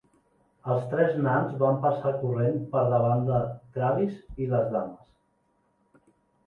Els tres nans van passar corrent per davant de Travis i les dames.